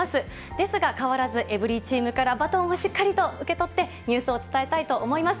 ですが、変わらずエブリィチームから、バトンをしっかりと受け取って、ニュースを伝えたいと思います。